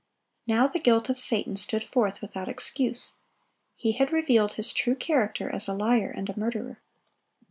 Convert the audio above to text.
Now the guilt of Satan stood forth without excuse. He had revealed his true character as a liar and a murderer.